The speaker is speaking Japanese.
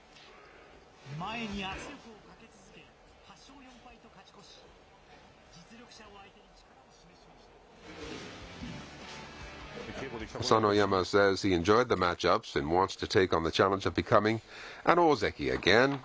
前に圧力をかけ続け、８勝４敗と勝ち越し、実力者を相手に力を示しました。